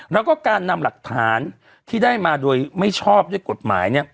แล้วก็การนำหลักฐานที่ได้มาโดยไม่ชอบด้วยกฎหมาย